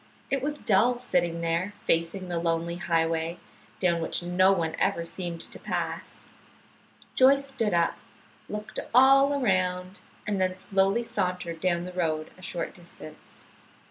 It was dull, sitting there facing the lonely highway, down which no one ever seemed to pass. Joyce stood up, looked all around, and then slowly sauntered down the road a short distance.